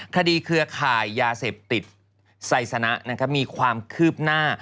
เครือข่ายยาเสพติดไซสนะมีความคืบหน้า